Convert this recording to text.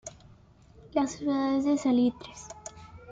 Las ciudades del salitres.